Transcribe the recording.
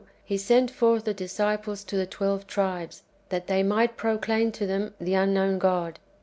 He sent forth the disciples to the twelve tribes, that they might proclaim to them the unknown God.